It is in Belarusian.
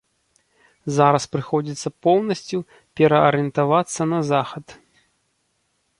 Зараз прыходзіцца поўнасцю пераарыентавацца на захад.